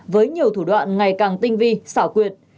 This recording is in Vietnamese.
với nhiều thủ đoạn ngày càng tinh vi xảo quyệt